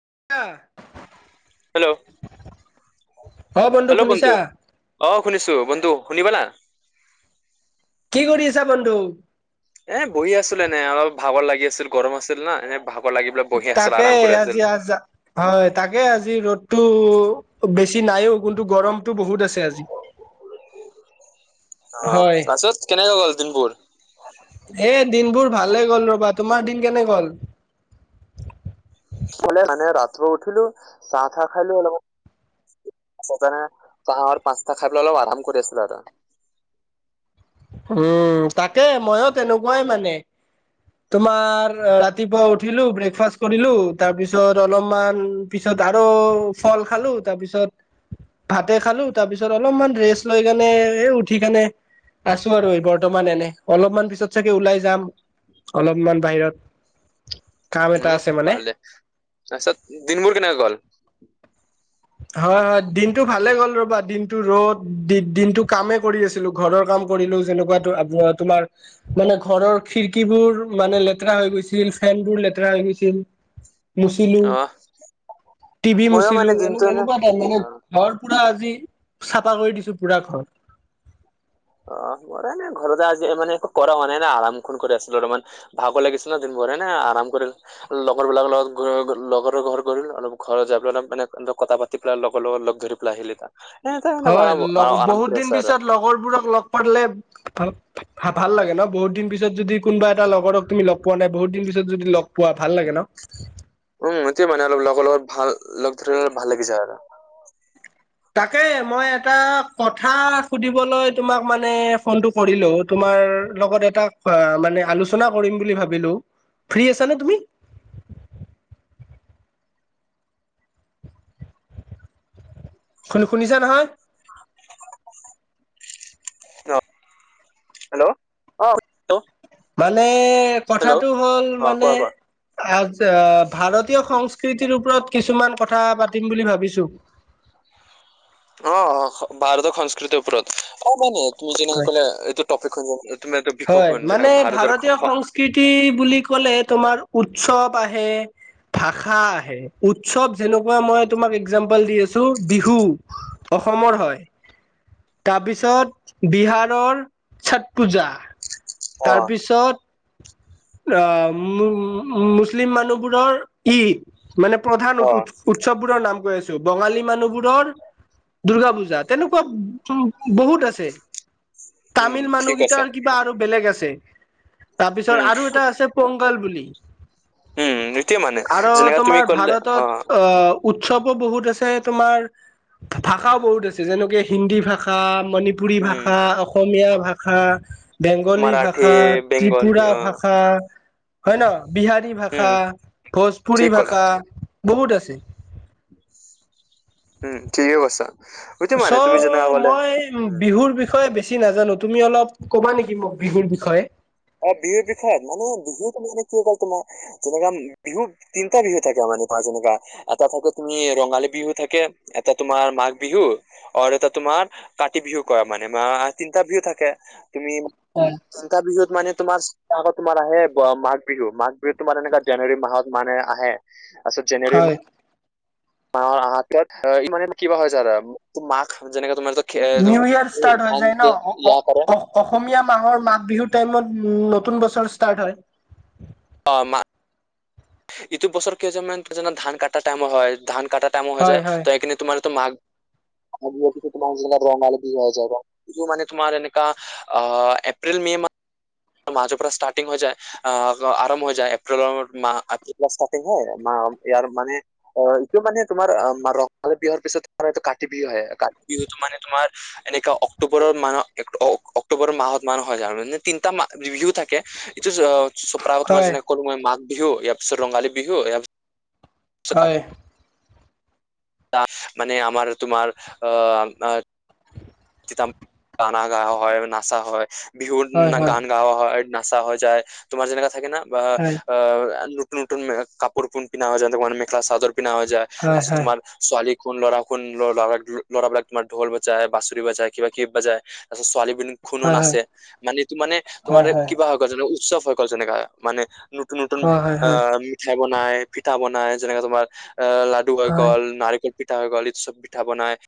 অহ hello অ hello শুনিছা বন্ধু অ শুনিছো বন্ধু বন্ধু শুনি পালা কি কৰি আছা বন্ধু এ বহি আছিলো এনে অলপ ভাগৰ লাগি আছিল গৰম আছিল না এনে ভাগৰ লাগি পেলাই বহি আছিল তাকে আৰাম কৰি আছিল আজি আজি। আ হয় তাকে আজি ৰ'দতটো বেছি বেছি নাইও কোনতোগৰম টো বহুত আছে আজি অ হয় তাৰপিছত কেনেকে গ'ল দিনবোৰ এ দিনবোৰ ভালে গ'ল ৰবা তোমাৰ দিন কেনে গল হলে মানে ৰাতিপুৱা উঠিলো চাহ চাহ খাইলো অলপ খগেনে চাহ আৰু পাঁচটা খাই পেলালো আধা মুখ উম তাকে মইয়ো তেনেকুৱাই মানে তোমাৰ ৰাতিপুৱা উঠিলো ব্ৰেকফাষ্ট কৰিলো তাৰ পিছত অলপমান পিছত পিছত আৰু ফল খালো তাৰপিছত ভাতে খালো তাৰ পিছত অলপমান ৰেষ্ট লৈ কেনে এ উঠি কেনে আছো আৰু এই বৰ্তমান এনে অলপমান পিছত চাগে ওলাই যাম অলপমান বাহিৰত কাম এটা উম আছে মানে ভাল দে। তাপিছত দিনবোৰ কেনেকৈ গল? হয় হয় দিনটো ভালে গ'ল ৰ'বা। দিনটো ৰ'দ দি দিনটো কামে কৰি আছিলো ঘৰৰ কাম। কৰিলও যেনেকুৱা তোৰ আত্ম হোৱা তোলাৰ মানে খিৰিকীবোৰ মানে লেতেৰা হৈ গৈছিল। ফেনবোৰ লেতেৰা হৈ গৈছিল মুচিলো। অ টি ভি ময়ো মুচিলো। মানে দিনটো এনে তেনেকুৱা অ [unintelligible] ঘৰ পুৰা আজি চাফা কৰি দিছো পুৰা ঘৰত। [unintelligible] নে ঘৰতে আজি মানে কৰা হোৱা নাই না আৰাম খন কৰি আছিলো অলমান। ভাগৰ লাগিছিল ন দিনভৰ। [unintelligible] কম কৰি লগৰ বিলাকৰ লগত লগৰ ঘৰ গলো। অলপ ঘৰ যাবলে। মানে অলপ কথা পাতি পেলাই লগ লগত লগ ধৰিপেলে আহিলো তাক। হয় লগ বহুত দিন আৰু পিছত লগৰবোৰক লগ পালে ভা ভাল লাগে ন বহুত দিন পিছত যদি কোনবা এটা লগৰক তুমি লগ পোৱা নাই। বহুত দিন পিছত যদি লগ পোৱা ভাল লাগে ন। [unintelligible] উম এতিয়া মানে অলপ লগৰ লগত ভাল। লগ ধৰি কিনে ভাল লাগি যায় আৰু। তাকে মই এটা কথা সুধিবলৈ তোমাক মানে ফোনটো কৰিলো। তোমা তোমাৰ লগত এটা অ মানে আলোচনা কৰিম বুলি ভাবিলো। ফ্ৰী আছা নে তুমি? শুনি শুনিছা নহয়? হেল্ল' আহ হেল্ল'। মানে হেল্ল' অ কথাটো হ'ল মানে কোৱা কোৱা আচ্ছা ভাৰতীয় সং সংস্কৃতিৰ ওপৰত কিছুমান কথা পাতিম বুলি ভাবিছো। অ অ ভাৰতৰ সংস্কৃতিৰ ওপৰত। অ মানে তুমি হয় যেনেকে ক'লে এইটো তপিক [unintelligible] হয় মানে ভাৰতীয় সংস্কৃতি বুলি ক'লে তোমাৰ উৎসৱ আহে, ভাষা আহে। উৎসৱ যেনেকুৱা মই তোমাক একজাম্পল দি আছো বিহু। অসমৰ হয়। তাপিছত বিহাৰৰ ছত পূজা। অ তাৰপিছত। আহ মুছলিম মানুহবোৰৰ ঈদ। মানে প্ৰধান উৎ অ উৎসৱবোৰৰ নাম কৈ আছো। বঙালী মানুহবোৰৰ দুূৰ্গা পূজা তেনেকুৱা বহুত আছে। উম তামিল ঠিক আছে মানুহকেইটাৰ কিবা আৰু বেলেগ আছে। তাপিছত উম আৰু এটা আছে পং কল বুলি। আৰু যেনেকা তুমি তোমাৰ ক'লে অ ভাৰতত অহ উৎসৱো বহুত। আছে তোমাৰ ভাষাও বহুত আছে। যেনেকে হিন্দী ভাষা মণিপুৰী উম, ভাষা, অসমীয়া ভাষা, বেংগলী মাৰাঠী, ভাষা, বেংগলী ত্ৰিপুৰা অ ভাষা হয় ন বিহাৰী, ভাষা, উম, ভজপুৰী ঠিক ক'লা ভাষা বহুত আছে। উম ঠিকে কৈছা। সেইটো মানে চ' তুমি যেনেকা ক'লে মই উম, বিহুৰ বিষয়ে বেছি নাজানো। তুমি অলপ ক'বা নেকি মোক বিহুৰ বিষয়ে। অ বিহুৰ বিষয়ত মানে বিহুত মানে কি কয় তোমাৰ যেনেকা বিহু তিনিটা বিহু থাকে আমাৰ। হেনেকা যেনেকা। এটা থাকে তুমি ৰঙালী বিহু থাকে এটা তোমাৰ মাঘ বিহু অৰু এটা তোমাৰ কাতি বিহু কয় মানে মা তিনিটা বিহু থাকে। তুমি তিনটা বিহুত মানে তোমাৰ [unintelligible] তোমাৰ আহে মাঘ বিহু। মাঘ বিহু তোমাৰ এনেকা জানুৱাৰী মাহত মানে আহে। পাছত জানুৱাৰী মা হয় মাহৰ হাতত এইটো কিবা হৈছে ৰ তো মাঘ যেনেকে তোমাৰ এইটো খে- এইটো নিউ ইয়াৰ ষ্টাৰ্ট হৈ ধান যায় ন। দিয়ে ইয়া অ কৰে অ অসমীয়া মাহৰ মাঘ বিহুৰ টাইমত উম নতুন বছৰ ষ্টাৰ্ট হয়। অ মা। ইটো বছৰ কেইজনমান কেইজনমান ধান কাটা টাইম হয়। ধান কাটা টাইমো হৈ হয় যায়। ত সেইখিনি তোমাৰটো মাঘ হয় [inaudible] তোমাৰ যে ৰঙালী বিহু হৈ যায় ৰ মানে তোমাৰ এনেককা এপ্ৰিল মে ম মাৰ্চৰ পৰা ষ্টাৰ্টিং হৈ যায় আহ আৰম্ভ হৈ যায় এপ্ৰিলৰ মা ষ্টাৰ্টিং হয় মা ইয়াৰ মানে অ এইটো মানে তোমাৰ ৰঙালী বিহুৰ পিছত তোমাৰ এইটো কাতি বিহু আহে কাতি বিহু মানে তোমাৰ এনেকা অক্টোবৰৰ মাহ অক্টোবৰৰ মাহত মা হয় যায় এৰিভিউ থাকে এইটো প্ৰায় তোমাৰ হয় যেনে কলো মই মাঘ বিহু ইয়াৰ পিছত ৰঙালী বিহু ইয়াৰ হয় ত মানে আমাৰ তোমাৰ আ- গানা গাৱা হয় নাচা হয় বিহুত হয় হয় গান গাৱা হয় নাচা হৈ যায়। তোমাৰ যেনেকা থাকে ন বা হয় আ নতন কাপোৰ পিধা যায় ত মেখা চাদৰ পিন্ধাহৈ যায়। হয় আছ হয় তোমাৰ ছোৱালী কোন লৰা শোন লৰা ল'ৰাবলাক তোমাৰ ঢল বজাই বাচৰি বাজায় কিবা কিব বাজাই তাৰপিছত ছোৱালী- খুনু নাচছে মানে ত মানে তোমাৰ হয় হয় হয় কিবা হৈ গ'ল যে উৎসৱ হৈ গ'ল যেনেকাা মানে। নতন নতুন হয় হয় হয় আহ মিঠাই বনায় পিঠা বনায় যেনেকে তোমাৰ- এ লাডু হৈ গ'ল নাৰিকল পিঠা হৈ গ'ল এই চব পিঠা বনাই-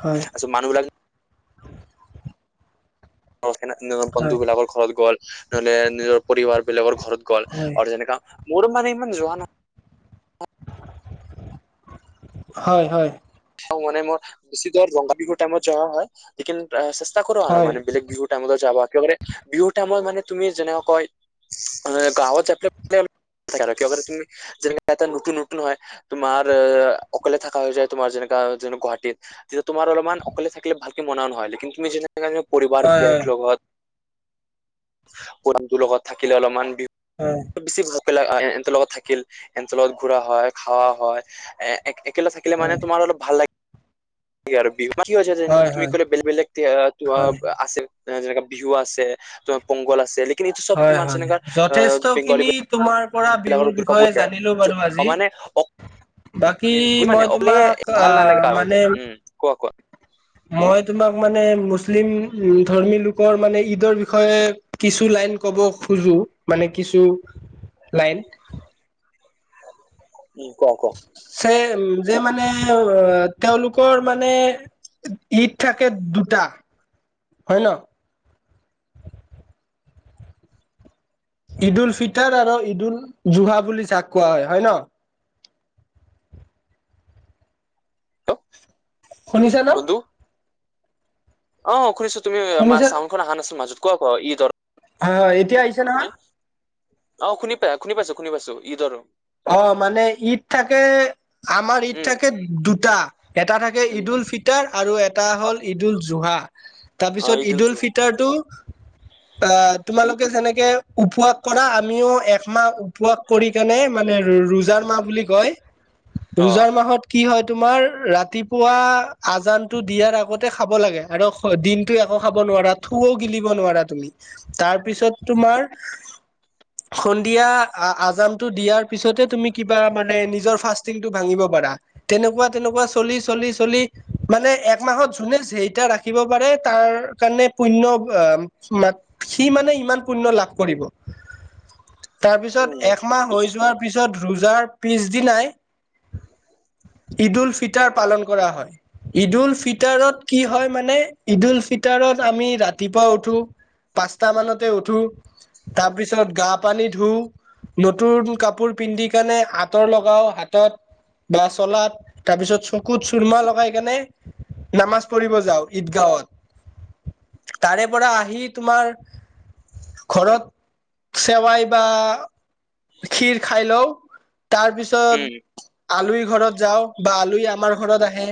হয় হয় তাৰছত মানুহ বিলাক- স হয় হয় বন্ধু বিলাকৰ ঘৰত গ'ল নহলে নিজৰ পৰিবাৰ বিলাকৰ ঘৰত গ'ল আৰু যেনেকা মোৰো মানে ইমান যোৱা নাই- হয় হয়। মে মই বেছি দৰ ৰংগা বিহুৰ টাইমত যোৱা হয় লিন কৰো আৰু মানে বেগ বিহু টাইমতও যাবা। একেবাৰে বিহু টাইমত মানে তুমি যেনেক কয় গাঁৱত যাব। আৰু তুমি যেনেে এটা নতুন নতুন হয় তোমাৰ মা অকলে থাকা হযা তোমাৰ যেনে- যেনো গুৱাহাটত তেতিয়া তোমাৰ অলপমান অকলে থাকিলে ভালকে মনাও নহয় তুমি যে- পৰিবাৰ হয় হয় হয় হয় বগ লগত পৰিমটো লগত থাকিলে অলপমান- উ এলোক এৰ লগত থাকিল এতৰ লগত ঘুৰা হয় খাৱা হয়। এ একো থাকিলে মানে তোমাৰ অলপ ভাল লাগে আৰু বিহু- কি হৈছে যে হয় তুমি হয় ক বেগ অ বেলেগ আছিল। যেনেকা বিহু আছে তোমাৰ পংগল আছে। কিন্ত এইটো চব হয় হয় মানছেেনেগাৰ যথেষ্ট বেংগলী- খিনি তোমাৰ পৰা বিহুৰ দুৰ্গ বিষয়ে পূজ জানিলো বাৰু আজি মানে অ বাকী উ মই মানে অকলে তোমাক ভাল আহ নালাগে মানে কাগজে উম কোৱা কোৱা মই তোমাক মানে মুছলিম ধৰ্মী লোকৰ মানে ঈদৰ বিষয়ে কিছু লাইন ক'ব খোজো মানে কিছু লাইন উম কোৱা কোৱা উ যে মানে তেওঁলোকৰ মানে। ঈদ থাকে দুটা হয়। ন ঈদুল ফিতাৰ আৰু ঈদুল জুহা বুলি যাক কোৱা হয় হয়। ন হেল্ল' শুনিছে ন বন্ধু অ খুনিছো তুমি মাৰ শুনিছা চাউনখন অহা নাছিল মাজত কোৱা ক ঈদৰ হয় হয় এতিয়া আহিছে নহয়। অ শুনি পাই শুনি পাইছো শুনি পাইছো। ঈদ আৰু অ মানে ঈদ থাকে আমাৰ ঈদ উম থাকে দুটা এটা থাকে। ঈদুত উম ঈদুল ফিতাৰ আৰু এটা হ'ল ঈদল জুহা অ তাৰপিছত ঈদ উল ঈদুল জুহা ফিতাৰটো- [inaudible] অ তোমালোকে যেনেকে উপবাস কৰা আমিও একমাহ উপবাস কৰি কেনে- মানে ৰোজাৰ মাহ বুলি কয় অ ৰোজাৰ মাহত কি হয়। তোমাৰ ৰাতিপুৱা আজানতটো দিয়াৰ আগতে খাব লাগে আৰু দিনতটো একো খাব- ন থুও গিলিব নোৱাৰা তুমি তাৰপিছত তোমাৰ- সন্ধিয়া আজামতটো দিয়াৰ। পিছতে তুমি কিবা মানে নিজৰ ফাষ্টিংটো ভাঙিব পাৰা তেনেকুৱা তেনেকুৱা চলি চলি চলি। মানে একমাহত যোনে যেইটা ৰাখিব পাৰে তাৰ কাৰণে পুণ্য ম। সি মানে ইমান পুণ্য লাভ কৰিব। তাৰ পিছত উম, একমাহ হৈ যোৱাৰ পিছত ৰোজাৰ পিছ দিনাই। ঈদুল ফিতাৰ পালন কৰা হয়। ঈদুল ফিতাৰত কি হয় মানে ঈদুল ফিতাৰত আমি ৰাতিপুৱা উঠো। পাঁচটা মানতে উঠো তাৰপিছত গা পানী ধুওঁ। নতুন কাপোৰ পিন্ধি কাৰনে আঁতৰ লগাও হাতত। বা চলাত তাৰপিছত চকুত চুৰমা লগাই কেনে। নামাজ পৰিব যাওঁ ঈদগাঁৱত। তাৰে পৰা আহি তোমাৰ। ঘৰত চেৱাই বা ক্ষীৰ খাই লও তাৰপিছত। আলোহী ঘৰত যাওঁ বা আলোহী আমাৰ ঘৰত আহে।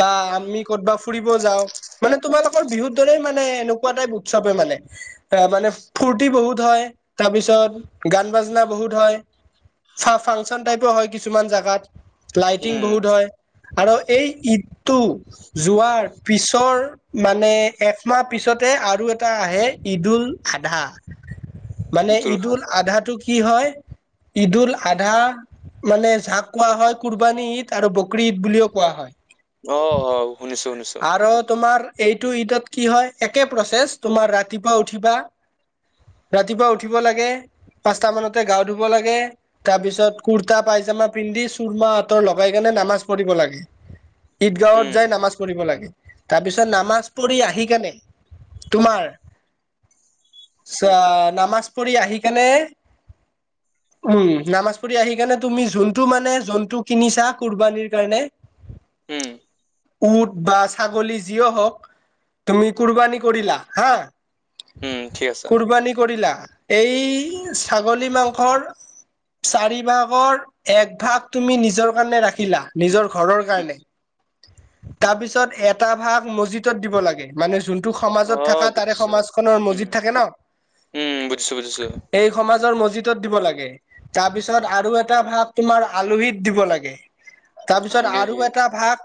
বা আমি কৰ'তবা ফুৰিব যাও মানে তোমালোকৰ বিহুৰ দৰে মানে এনেকুৱা টাইপ উৎসৱ হয় মানে। এ মানে ফৰ্তি বহুত হয় তাৰপিছত গান বাজনা বহুত হয়। ফাংচন টাইপো হয় কিছুমান জোগাত। লাইটিং উম, বহুত হয় আৰু এই ঈদটো যোৱাৰ পিছৰ। মানে একমাহ পিছতে আৰু এটা আহে ঈদুল আধা। মানে ইটোল খাত ঈদুল আধাটো কি হয় ঈদুল আধা মানে জাক। কোৱা হয় কুৰবানী ঈদ আৰু বকৰি ঈদ বুলিও কোৱা হয়। অ অ শুনিছো শুনিছো। আৰু তোমাৰ এইটো ঈদত কি হয় একে প্ৰচেছ তোমাৰ ৰাতিপুৱা উঠিবা। ৰাতিপুৱা উঠিব লাগে। পাঁচট মানতে গা ধুব লাগে তাৰ পিছত কুুৰ্তা পাইজামা পিন্ধি চুৰমা আঁতৰ লগাই কেনে। নামাজ পঢ়িব লগে উম, ঈদগাঁৱত যাই। কৰিব লাগে তাৰপিছত নামাজ পঢ়ি আহি কেনে তোমাৰ। চ নামাজ পঢ়ি আহিকনে। উম নামাজ পঢ়ি আহি কাৰণে তুমি যোনটো মানে জন্তু কিনিছা কুৰবানীৰ কাৰণে। উম, উট বা ছাগলী, যিও হওক তুমি কুৰবানী কৰিলা হা। উম, ঠিক আছে। কুৰবানী কৰিলা এই ছাগলী মাংসৰ। চাৰি ভাগৰ এক ভাগ তুমি নিজৰ কাৰণে ৰাখিলা নিজৰ ঘৰৰ উম, কাৰণে। তাৰপিছত এটা ভাগ মছজিদত দিব লাগে মানে যোন। তোক সমাজত অ', থকা তাৰে বুজিছো। সমাজখনৰ উম, মজিদ থাকে ন। উম, বুজিছো বুজিছো। এই সমাজৰ মছজিদত দিব লাগে। তাৰ পিছত আৰু এটা ভাত তোমাৰ আলহীত দিব লাগে। তাৰপিছত আৰু আলহী এটা ভাগ।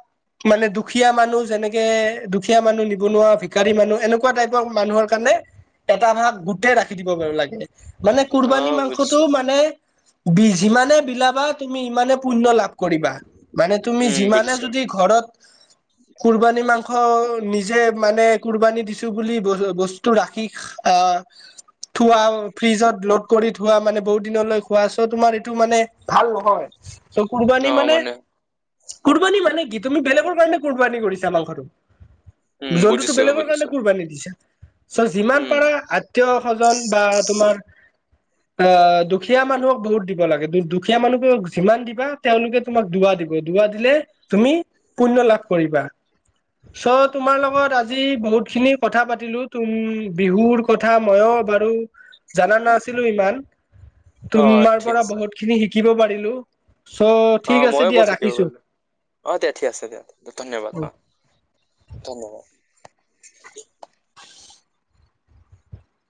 মানে দুখীয়া মানুহ যেনেকে দুখীয়া মানুহ নিবনুৱা ভিকাৰী মানুহ এনেকুৱা টাইপৰ মানুহৰ কাৰণে। এটা ভাগ গোটেই ৰাখি দিব পাৰো লাগে। মানে কুৰবানী অ', মাংসটো বুজিছো। মানে বি যিমানে বিলাবা তুমি ইমানে। পুণ্য লাভ কৰিবা মানে তুমি উম, যিমানেই বুজিছো। যদি ঘৰত। কুৰবানী মাংস। নিজে মানে কুৰবানী দিছো বুলি ব বস্তু ৰাখি আহ। থোৱা ফ্ৰিজত লোড কৰি থোৱা মানে বহুত দিনলৈ খোৱা চ তোমাৰ এইটো মানে ভাল নহয়। চ' কুৰবানী মানে কুৰবানী মানে কি তুমি বেলেগৰ কাৰণে কুুৰবানী কৰিছা মাংসটো। উম, জন্তুটো বুজিছো বেলেগৰ বুজিছো। কাৰণে কুৰবান দি ছাহ। চ যিমান উম। পাৰা আতীয় সজন বা তোমাৰ। অ, দুখীয়া মানুহক বহুত দিব লাগে দুখীয়া মানুহক যিমান দিবা তেওঁলোকে তোমাক দুৱা দিব দুুৱা। দিলে তুমি পুণ্য লাভ কৰিবা। চ' তোমাৰ লগত আজি বহুত খিনি কথা পাতিলো তুম বিহুৰ কথা ময়ো বাৰু জাননা নাছিলো ইমান অ', তোমাৰ ঠিক পৰা আছে। বহুত খিনি শি শিকিব পাৰিলোঁ, শো, অ', ঠিক ময়ো আছে দিয়া বহুত শিকিব ৰাখিছোঁ। পাৰিলো। অ', দিয়া ঠিক আছে দিয়ক ধন্যবাদ অ, ধন্যবাদ।